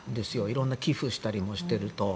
色々寄付したりもしていると。